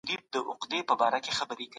پولیس به د جرم اصلي لامل پیدا کړي.